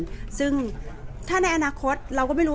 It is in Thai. แต่ว่าสามีด้วยคือเราอยู่บ้านเดิมแต่ว่าสามีด้วยคือเราอยู่บ้านเดิม